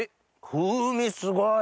風味すごい！